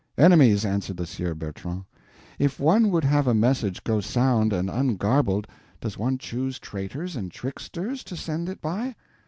"Enemies," answered the Sieur Bertrand. "If one would have a message go sound and ungarbled, does one choose traitors and tricksters to send it by?"